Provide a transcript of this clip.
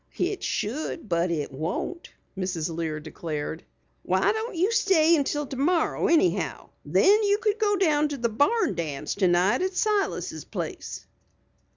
"It should, but it won't," Mrs. Lear declared. "Why don't you stay until tomorror anyhow? Then you could go to the barn dance tonight at Silas' place."